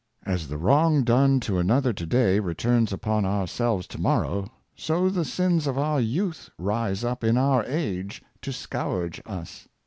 "" As the wrong done to another to day returns upon ouselves to morrow, so the sins of our youth rise up in our age to scourge us.